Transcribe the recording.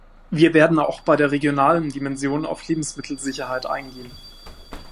Wir werden auch bei der regionalen Dimension auf Lebensmittelsicherheit eingehen.